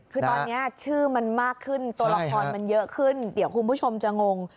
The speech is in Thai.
คือตอนนี้ชื่อมันมากขึ้นตัวละครมันเยอะขึ้นเดี๋ยวคุณผู้ชมจะงง